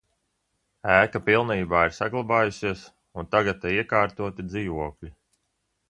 Ēka pilnībā ir saglabājusies, un tagad te iekārtoti dzīvokļi.